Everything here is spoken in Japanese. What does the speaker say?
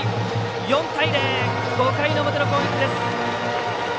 ４対０！５回の表の攻撃です。